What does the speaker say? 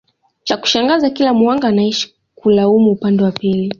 chakushangaza kila muhanga anaishia kulaumu upande wa pili